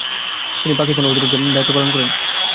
তিনি পাকিস্তান অধিরাজ্যে দায়িত্বপালন করেন।